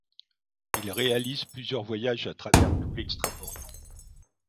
Il réalise plusieurs voyages à travers tout l'Extrême-Orient.